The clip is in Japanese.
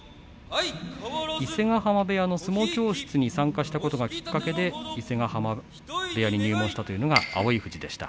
伊勢ヶ濱部屋の相撲教室に参加したことがきっかけで伊勢ヶ濱部屋に入門したというのが蒼富士でした。